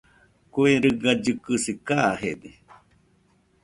Kue riga llɨkɨsi kajede.